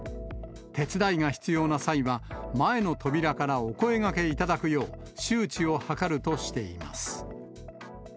手伝いが必要な際は、前の扉からお声がけいただくよう周知を図るとしています。